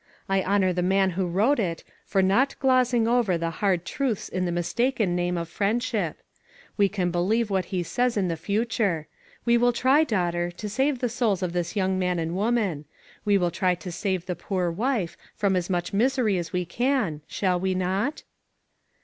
I honor the man who wrote it, for not glozing over the hard truths in the mistaken name of friendship. We can PLEDGES. 407 believe what he says in the future. We will try, daughter, to save the souls of this young man and woman. We will try to save the poor wife from as much misery as we can, shall we not?"